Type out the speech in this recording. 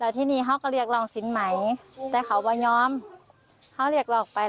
และในปีนี้เธอกำลังจะปิดร้านปะดีและในปีนี้เธอกำลังจะปิดร้านปะดี